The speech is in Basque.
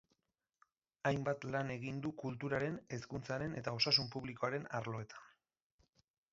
Hainbat lan egin du kulturaren, hezkuntzaren eta osasun publikoaren arloetan.